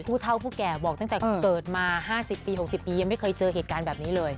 ผู้เท่าผู้แก่บอกตั้งแต่เกิดมา๕๐ปี๖๐ปียังไม่เคยเจอเหตุการณ์แบบนี้เลย